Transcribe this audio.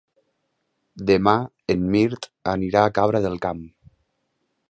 Demà en Mirt anirà a Cabra del Camp.